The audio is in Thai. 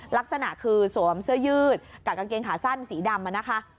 ลักษณะคือสวมเสื้อยืดกับกางเกงขาสั้นสีดำนะคะ